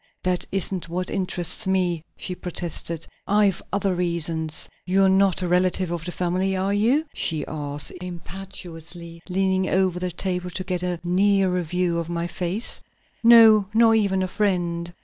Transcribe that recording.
"That isn't what interests me," she protested. "I've other reasons. You're not a relative of the family, are you?" she asked impetuously, leaning over the table to get a nearer view of my face. "No, nor even a friend.